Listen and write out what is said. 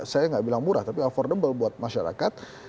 saya nggak bilang murah tapi affordable buat masyarakat